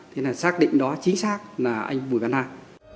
thế là xác định đó chính xác là anh bùi văn an